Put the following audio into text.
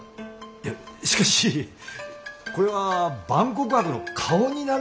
いやしかしこれは万国博の顔になるものですから。